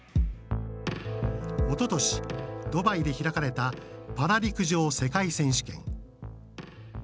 おととし、ドバイで開かれたパラ陸上世界選手権。